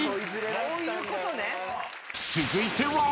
［続いては］